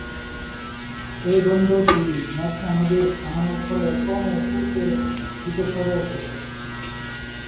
এই বন্দরটি মেঘনা নদীর ভাঙ্গনের ফলে ক্রমে পূর্ব দিকে সরে এসেছে।